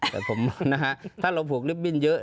แต่ผมนะฮะถ้าเราผูกลิฟตบิ้นเยอะ